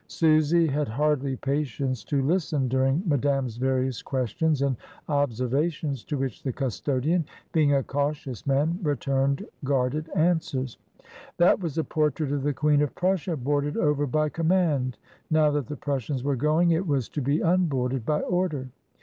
Susy had hardly patience to listen during Madame's various questions and observations, to which the custodian, being a cautious man, returned guarded answers. "That was a por trait of the Queen of Prussia, boarded over by com mand; now that the Prussians were going it was to be unboarded, by order."